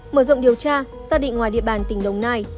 mở rộng điều tra xác định ngoài địa bàn tỉnh đồng nai